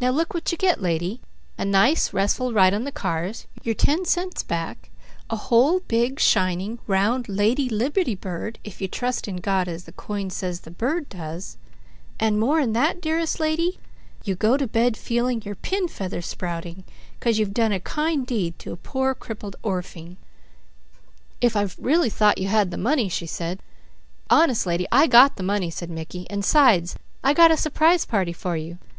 Now look what you get, lady. A nice restful ride on the cars. Your ten cents back, a whole, big, shining, round, lady liberty bird, if you trust in God, as the coin says the bird does, and more'n that, dearest lady, you go to bed feeling your pinfeathers sprouting, 'cause you've done a kind deed to a poor crippled orphing." "If I thought you really had the money " she said. "Honest, lady, I got the money," said Mickey, "and 'sides, I got a surprise party for you.